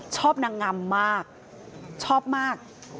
ชอบนางงามมากชอบมาก